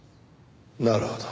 なるほど。